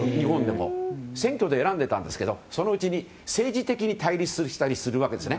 選挙で選んでいたんですけどそのうちに政治的に対立したりするわけです。